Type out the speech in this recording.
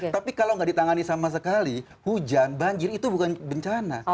tapi kalau nggak ditangani sama sekali hujan banjir itu bukan bencana